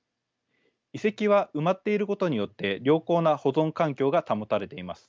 遺跡は埋まっていることによって良好な保存環境が保たれています。